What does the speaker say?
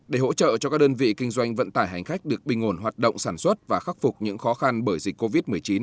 để hỗ trợ cho các đơn vị kinh doanh vận tải hành khách được bình ổn hoạt động sản xuất và khắc phục những khó khăn bởi dịch covid một mươi chín